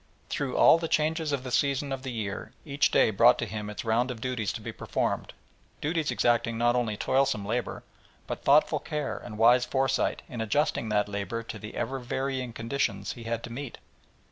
Through all the changes of the seasons of the year each day brought to him its round of duties to be performed, duties exacting not only toilsome labour, but thoughtful care and wise foresight in adjusting that labour to the ever varying conditions he had to meet.